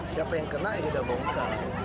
siapa yang kena ya kita bongkar